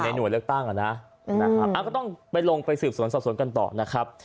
ที่อยู่ในหน่วยเลือกตั้งน่ะอะก็ต้องไปลงไปสืบสนสอบสนกันต่อนะครับ